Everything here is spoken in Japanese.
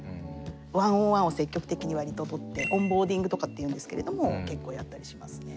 １ｏｎ１を積極的に割と取ってオンボーディングとかっていうんですけれども結構やったりしますね。